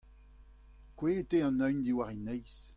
kouezhet eo an evn diwar e neizh.